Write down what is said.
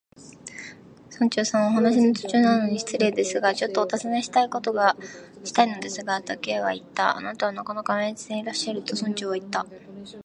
「村長さん、お話の途中なのに失礼ですが、ちょっとおたずねしたいのですが」と、Ｋ はいった。「あなたはなかなか厳密でいらっしゃる」と、村長はいった。